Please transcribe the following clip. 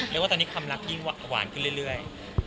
ว่าตอนนี้ความรักยิ่งหวานขึ้นเรื่อย